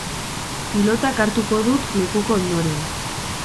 Pilotak hartuko dut lekuko ondoren.